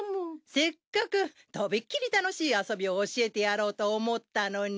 せっかくとびっきり楽しい遊びを教えてやろうと思ったのに。